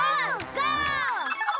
ゴー！